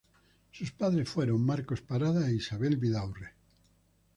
Sus padres fueron Marcos Parada e Isabel Vidaurre.